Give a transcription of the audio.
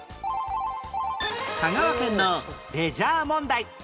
香川県のレジャー問題